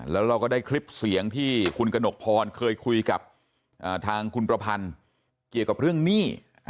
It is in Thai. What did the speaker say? แล้วเราก็ได้คลิปเสียงที่คุณกระหนกพรเคยคุยกับทางคุณประพันธ์เกี่ยวกับเรื่องหนี้